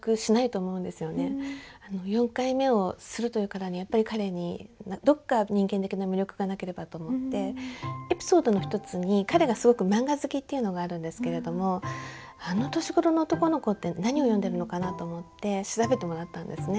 ４回目をするというからにはやっぱり彼にどっか人間的な魅力がなければと思ってエピソードの一つに彼がすごく漫画好きというのがあるんですけれどもあの年頃の男の子って何を読んでるのかなと思って調べてもらったんですね。